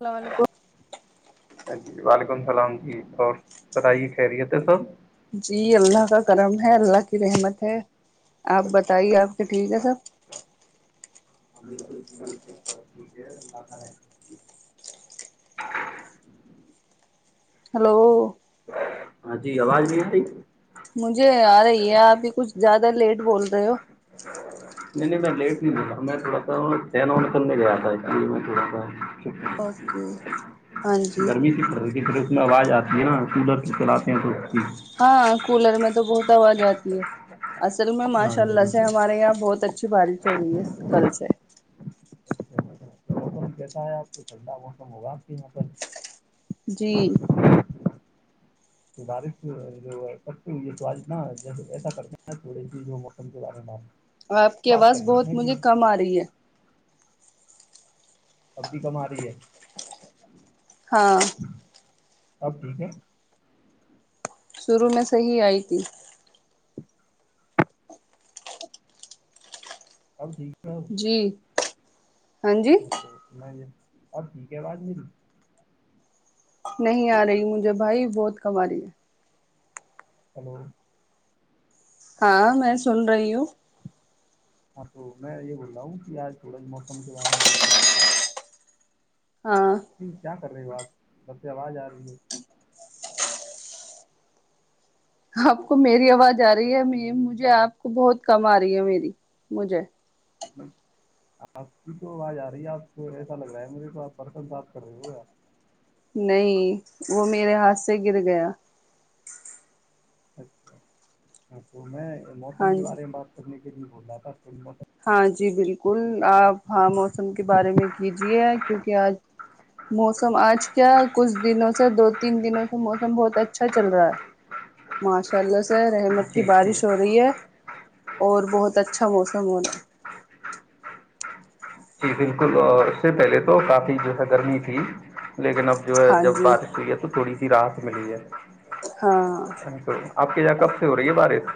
السلام علیکم جی وعلیکم السلام جی اور بتائیے خیریت ہے سب جی اللہ کا کرم ہے اللہ کی رحمت ہے آپ بتائیے آپ کے ٹھیک ہے سب ہم لگ رہ ہے ہلو ہاں جی آواز بھی تی مجھے آ رہی ہے ابھی کچھ زیادہ لیٹ بول رہے ہو نہیں نہیں میں لیٹ نہیں ما میں تھوڑا تھا نل میں گیا تھا میں تھوڑا تھا اوکے ہاں جی گرمی سے کر رہ تھی پھر اس میں آواز آتی ہے نا کولر کی چلااتے ہیں تو ہاں کولر میں تو بہت آواز آتی ہے اصل میں ہاں ماشاء اللہ سے بالکل ہمارے یہاں بہت اچھی بارش ہو رہی ہے کل سے مم کہتا ہے آپ کو ٹھنڈا موسم ہوگا آپ کے یہاں پرل جی بارش جو ہو سج ایسا کرتے چوڑی تھی جو موسم کے بارے میں اور آپ کی بات کر آواز لیتے بہت ہیں کہ مجھے کم آہی ہے اب بھی کم آ رہی ہے ہاں اب ٹیک ہے شرع میں صحی آئی تھی سب ٹھیک ہے جی ہاں جی تو میں اور ٹھیک ہے آواز مری نہیں آ رہی مجھے بھائی بہت کما رہی ہے ہلو ہاں میں سن رہی ہوں ہاں تو میں یہ بول رہا ہوں کہ آج تھوڑا موسم کے بارے میں بات کرتے ہیں ہاں کیا کر رہے ہو آپ بب سے آواز آ رہی ہے آپ کو میری آواز آ رہی ہے م مجھے آپ کو بہت کم آ رہی ہے میری مجھے آپ کی تو آج آ رہی ہے آپ کو ایسا لگ رہا ہے مجھے تو آپ پرسن بات کر رہے ہو یار نہیں وہ میرے ہاتھ سے گر گیا اچھا تو میں موسم ہاں کے جی بارے میں بات کرنے کے لیے بول رہا تھا موسم ہاں جی بالکل آپ ہاں موسم کے بارے میں کیجیے کیونکہ آج موسم آج کیا کچھ دنوں سے دو تین دنوں سے موسم بہت اچھا چل رہا ہے ماشاء اللہ سے رحمت کی جی جی بارش ہو رہی ہے اور بہت اچھا موسم ہونا جی بالکل اور اس سے پہلے تو کافی جو ہے گرمی تھی لیکن اب جو ہے ہاں جب جی بارش ہوئی ہے تو تھوڑی سی رات ملی ہے ہاں آپ کے یہاں کب سے ہو رہی ہے بارش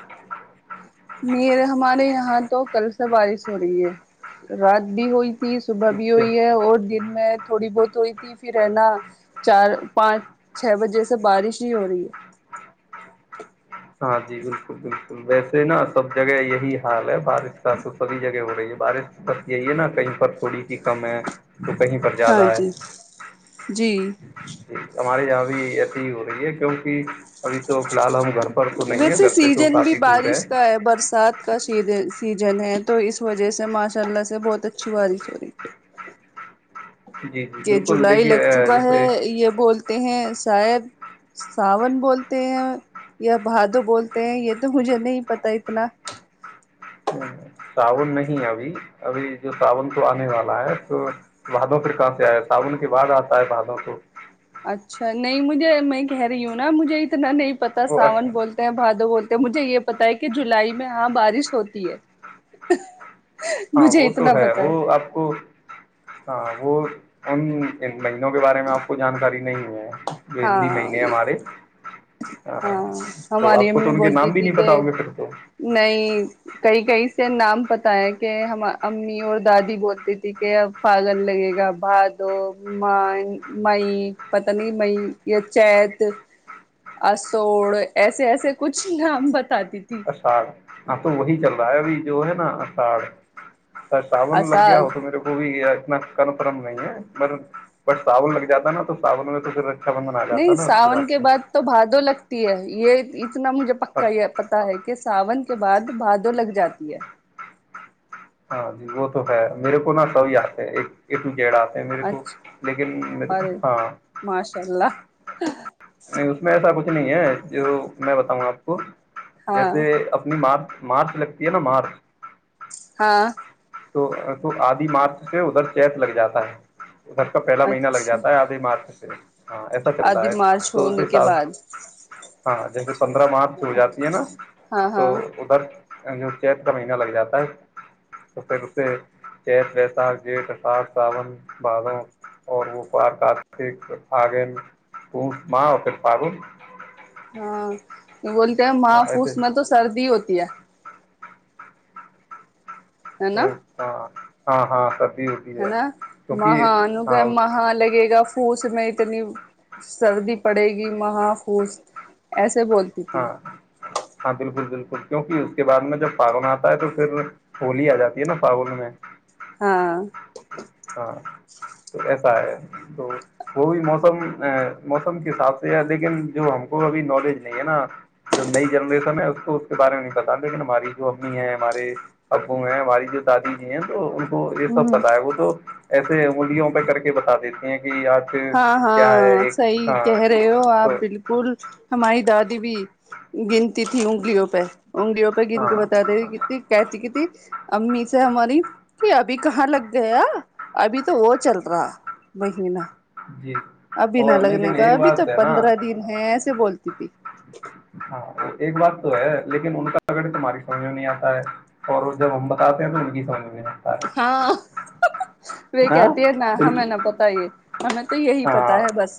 م ہمارے یہاں تو کل سا بارش ہو رہی ہے رات بھی ہوئی ت صبح بھی اچھا ہوئی ہے اور دن میں تھوڑی بہت ہوئی تھی پھر ہے نا چار پانچ چھ بجے سے بارش ہی ہو رہی ہے ہاں جی بالکل بالکل ویسے نا سب جگہ یہی حال ہے بارش کا تو سبھی جگہ ہو رہی ہے بارش بس یہی ہے نا کہیں پر تھوڑی سی کم ہے تو کہیں پر زیادہ ہاں ہے جی جی جی ہمارے یہاں بھی ایسی ھی ہو رہی ہے کیونکہ ابھی تو فی الحال ہم گھر پر تو نہیں ہے ویسے گھر سے تو سیزن بھی کافی دور بارش کا ہے برسات کا سی سیزن ہے تو اس وجہ سے ماشاء اللہ سے بہت اچھی بارش ہو رہی جی جی کہ بالکل جولائی دیکھیے لگ چکا ہے جیسے یہ بولتے ہیں شاید ساون بولتے ہیں یا بھادو بولتے ہیں یہ تو مجھے نہیں پتا اتنا ساون نہیں ابھی ابھی جو ساون کو آنے والا ہے تو بادوں پھر کہاں سے آئے صابن کے بعد آتا ہے بھادوں تو اچھا نہیں مجھے میں کہہ رہی ہوں نا مجھے اتنا نہیں پتا وہ اچھا ساون بولتے ہیں بھادو بولتے ہیں مجھے یہ پتا ہے کہ جولائی میں ہاں بارش ہوتی ہے ہاں مجھے وہ تو اتنا ہے پتا وہ آپ کو ہاں وہ ان مہینوں کے بارے میں آپ کو جانکاری نہیں ہے گندی ہاں مہینے ہمارے ہاں تو ہماری آپ کو تو امی ان کے بولتی نام بھی تھی نہیں کہ پتا ہوں گے پھر تو نہیں کئی کئی سے نام پتا ہے کہ ہم امی اور دادی بولتی تھی کہ اب فالن لگے گا بھادو م مئی پت نہیں مئی یا چت اسوڑ ایسے ایسے کچھ نام بتاتی تھی آشاھڈ ہاں تو وہی چل رہا ہے ابھی جو ہے نا آشاڑ ارا ساابون لگ گیا اساگ ہو تو میرے کو بھی اتنا پررم نہیں ہے پر ب سان لگ جاتا نا تو ساون میں توھر نہیں ساون کے بعد تو بھادو لگتی یہ اتنا مجھے پکا بس یہ پتا ہے کہ ساون کے بعد بعادوں لگ جاتی ہے ہاں جی وہ تو ہے میرے کو نا سو د ہے ایکا میرے کو اچھا لیکن میرے اور کو ہاں ماشاء اللہ نہیں اس میں ایسا کچھ نہیں ہے جو میں بتاؤں آپ کو ہاں جیسے اپنی مارچ مارچ لگتی ہے نا مارچ ہاں تو تو آدھی مارچ سے ادھر چیت لگ جاتا ہے ادھر کا پہلا مہینہ لگ اچھا جاتا ہے آدھی مارچ سے ہ ایسا چلتا آدھی ہے مارچ تو اس ہونے کے حساب سے بعد ہاں جیسے پندرہ مارچ سے ہو جاتی ہے نا ہاں تو ہاں ادھر جو چید کا مہینہ لگ جاتا ہے تو پھر اس سے چیت ویساخ جیٹ اثار ساون بادوں اور وہ پار کک پگن پ ماں ا پھر پارو ہاں یہ بولتے ہیں ہاں محفوس ایسے میں تو سردی ہوتی ہے ہے نا ہاں ہاں ہاں سب بھی ہے نا مہانو کا مہاں لگے گا پھوس میں اتنی سردی پڑے گی محا پھوس ایسے بول ہاں ہاں بالکل بالکل کیوںکہ اس کے بعد میں جب فاگن آتا ہے تو پھر ہولی آ جاتی ہے نا فاگن میں [inaudible] ہاں تو ایسا ہے تو وہ بھی موسم موسم کے حساب سے ہے لیکن جو ہم کو ابھی نالج نہیں ہے نا جو نئی جنریشن ہے اس کو اس کے بارے میں نہیں پتا لیکن ہماری جو امی ہے ہمارے ابو ہیں ہماری جو دادی جی ہیں تو تو یہ سب ہ پتا ہے وہ تو ایسے انڈوں پہ کر کے بتا دیتی ہیں کہ آج ہاں کیا ہے ہاں ایک صحیح ہاں کہہ رہے ہو تو آپ بالکل ہماری دادی بھی گنتی تھی انگلیوں پہ انگلیوں پہ گ ان ہاں کو بتا د کتنی کہتی کتنی امی سے ہماری کہ ابھی کہاں لگ گیا ابھی تو وہ چل رہا مہینہ جی ابھی نہ اور لگنے لیکن کا ایک ابھی تو بات ہے نا پندرہ دن ہے ایسے بولتی تھی ہاں وہ ایک بات تو ہے لیکن ان کا کگڑ تمہاری سمجھ میں نہیں آتا ہے اور جب ہم بتاتے ہیں تو ان کی سمجھ میں آتا ہے ہاں وہ ہاں کہتی ہے نا بالکل ہمیں نہا پت یہ ہمیں تو یہی ہاں پتا ہے بس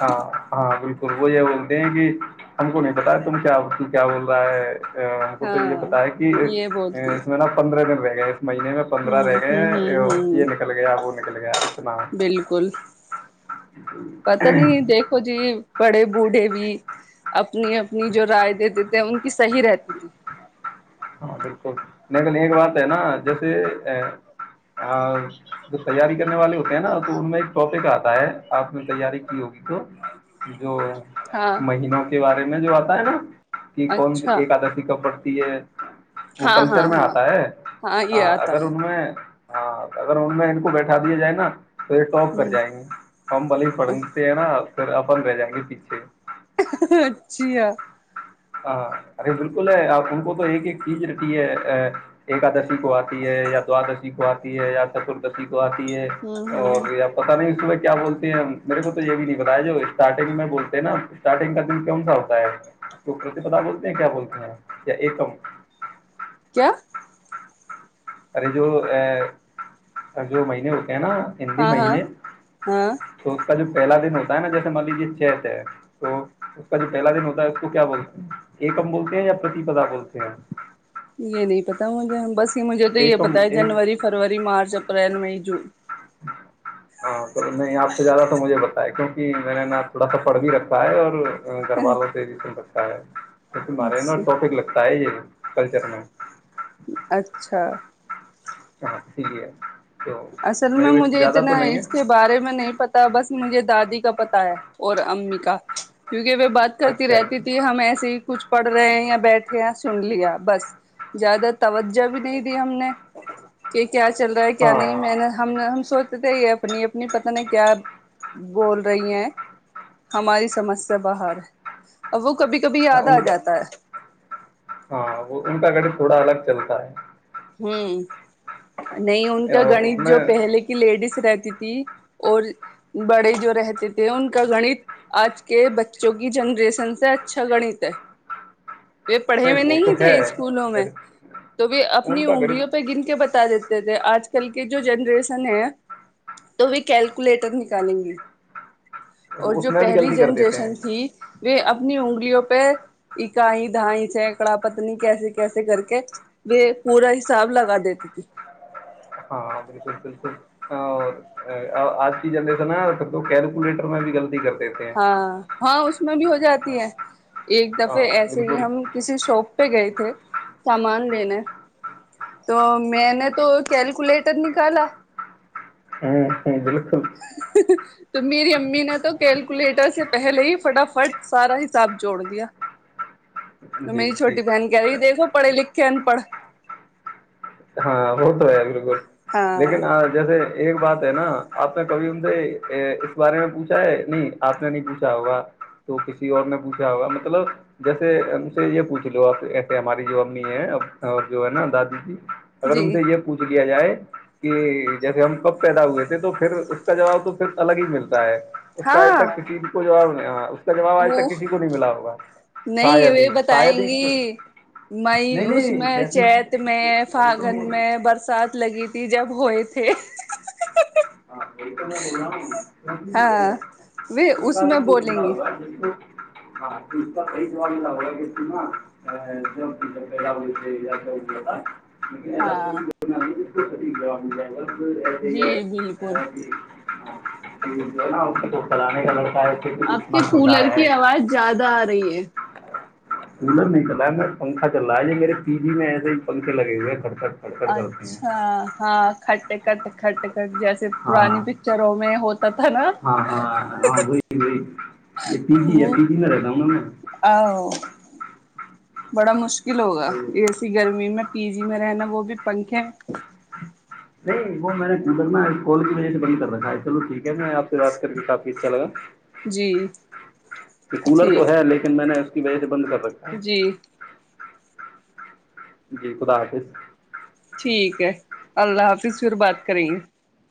ہاں ہاں بالکل وہ یہ بولتے ہیں کہ ہم کو نہیں بتا ہے تم کیا کیا بول رہا ہے ہم کو تو یہ ہاں پتا ہے کہ یہ بولتی اس ہے میں نا پندرہ دن رہ گیا اس مہینے میں پندرہ ہ رہ ہ گئے ہ ہیں یہ ہ نکل گیا وہ نکل گیا اتنا بالکل پتا نہیں دیکھو جی بڑے بوڑھے بھی اپنی اپنی جو رائے دیتے تھے ان کی صحیح رہتی تھی ہاں بالکل لیکن ایک بات ہے نا جیسے ا جو تیاری کرنے والے ہوتے ہیں نا تو ان میں ایک ٹاپک آتا ہے آپ نے تیاری کی ہوگی تو جو ہاں مہینوں کے بارے میں جو آتا ہے نا کہ کون اچھا سی ایکادشی ک پڑتی ہے وہ ہاں کلچر ہاں میں ہاں آتا ہے ہاں یہ آتا اگر ہے ان میں ہاں اگر ان میں ان کو بیٹھا دیا جائے نا تو یہ ٹاپ کر جائیں ہ گے فم وال ہی پڑ ہے نا پھر آپ رہ جائیں گے پیچے اچھا ہاں ارے بالکل ہے آپ ان کو تو ایک ایک چیز رہتی ہے ا ایکادشی کو آتی ہے یا دوادشی کو آتی ہے یا چتردشی کو آتی ہے ہ اور آ پتا نہیں اس صبح کیا بولتے ہیں میرے کو تو یہ بھی نہیں بتا ہے جو اسٹارٹنگ میں بولتے ہیں نا اسٹارٹنگ کا دن کون س ہوتا ہے وہ کرتی پتاا بولتے ہیں کیا بولتے ہیں یا ایکم کیا ارے جورے جو مہینے ہوتے ہیں نا ہندی ہاں ہاں مہینے ہاں تو اس کا جو پہلا دن ہوتا ہے نا جیسے مل جی چیت ہے تو اس کا جو پہلا دن ہوتا ہے اس کو کیا بولتے ہیں ایکم بولتے ہیں یا پرتی پدا بولتے ہیں یہ نہیں پتا مجھے بس یہ مجھے تو یہ ایکم پتا ہے ایک جنوری فروری مارچ اپریل مئی جون ہاں تو نہیں آپ سے زیادہ تو مجھے بتا کیوںکہ میں نے نا تھوڑا سا پڑ بھی رکھا ہے اور گھر والوں سے بھی سن رکھا ہے تمہارے ہے نا اچھا ٹاپک لگتا ہے یہ کلچر میں اچھا ہاں صحیح ہے اصل میں مجھے اتنا اس کے بارے میں نہیں پتا بس مجھے دادی کا پتا ہے اور امی کا کیونکہ وہ بات کرتی اچھا رہتی تھی ہم ایسے ہی کچھ پڑھ رہے ہیں یا بیٹھے یا سن لیا بس زیادہ توجہ بھی نہیں دی ہم نے کہ کیا چل رہا ہے کیا نہیں میں نے ہاں ہم ہم سوچتے تھے یہ اپنی اپنی پت نہیں کیا بول رہی ہیں ہماری سمسیا باہر ہے اب وہ کبھی کبھی یاد آ ان کا جاتا ہے ہاں وہ ان کا گاڑی تھوڑا الگ چلتا ہے ہوں نہیں ان ہے کا اور اس گنت جو میں پہلے لیڈیز رہتی تھی اور بڑے جو رہتے تھے ان کا گنت آج کے بچوں کی جنریشن سے اچھا گنت ہے وہ پڑھے ہو وہ تو نہیں ہے تھے اسکولوں میں گڑت تو وہ اپنی ان کا انگلیوں گڑت پہ گن کے بتا دیتے تھے آج کل کے جو جنریشن ہے تو وہ کیلکولیٹر نکالیں گے اور جو اس میں بھی پہلی غلطی کر دیتے ہیں جنریشن تھی وہ اپنی انگلیوں پہ اکائی دھائی چکڑا پتنی کیسے کیسے کر کے و پورا حساب لگا دیتی تھی ہاں بالکل بالکل اور آج کی جنریشن پھر تو کیلکولیٹر میں بھی غلطی کرتے تھے ہاں ہاں اس میں بھی ہو جاتی ہے ایک دفعے ہاں ایسے ہی بالکل ہم کسی شاپ پہ گئے تھے سامان لینے تو میں نے تو کیلکولیٹر نکالا ہاں ہ بالکل تو میری امی نے تو کیلکولیٹر سے پہلے ہی فٹافٹ سارا حساب جوڑ دیا جچ تو میری چھوٹی بہن کہہ رہی دیکھو پڑھے لکھ کے ان پڑھ ہاں وہ تو ہے بالکل ہاں لیکن آج جیسے ایک بات ہے نا آپ نے کبھی ان سے اس بارے میں پوچھا ہے نہیں آپ نے نہیں پوچھا ہوگا تو کسی اور نے پوچھا ہوگا مطلب جیسے ہم سے یہ پوچھ لو آپ ایسے ہماری جو امی ہے اور جو ہے نا دادی جی اگر جی ان سے یہ پوچھ لیا جائے کہ جیسے ہم کب پیدا ہوئے تھے تو پھر اس کا جواب تو پھر الگ ہی ملتا ہے اس کا آج ہاں تک کسی کو جواب نہیں اس کا جواب آج تک وہ کسی کو نہیں ملا ہوگا نہیں شاید ہی وہ شاید بتائیں ہی گی میں نہیں اس نہیں میں ویسے چیت میں وہی پاگن تو میں برسات لگی تھی جب ہوئے تھے ہاں وکم ہاں و کو اس بہ میں بولیں گی ہوگا ہاںپ ستول وہ کےتینا ا ایا سٹیک ہاں جاب مل جائے ایسے جی یہ بالکل اے، نا تو پلانے کا لڑکا ہے کہ کچھ آپ کے اتنا چھوٹا کولر کی ہے آواز زیادہ آ رہی ہے کولر نہیں چلا ہے میں پنکھا چل رہا ہے میرے پی جی میں ایسے ہی پنکھے لگے ہوئے کٹ کٹ اچھا ہاں کھٹ کٹ کھٹ کٹ جیسے پرانی ہاں پکچروں میں ہوتا تھا نا ہاں ہاں وہی وہی یہ پی جی ہے پی جی میں رہتا ہوں نا میں ا بڑا مشکل ہوگا تو، اے سی گرمی میں پی جی میں رہنا وہ بھی پنکھے نہیں وہ میں نے گدر نا کال کی وجہ سے بند کر رکھا ہے چلو ٹھیک ہے میں آپ بات کر کے کافی اچھا لگا جی کہ کولر تو ٹھیک ہے لیکن میں نے اس بیجے بند کب جی جی خدا حافظ ٹھیک ہے اللہ حافظ پھر بات کریں گے